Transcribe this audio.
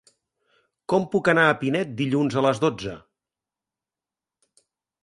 Com puc anar a Pinet dilluns a les dotze?